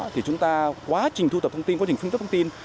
thì chúng ta quá trình thu thập thông tin quá trình phân tích thông tin